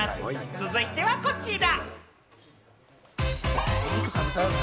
続いてはこちら。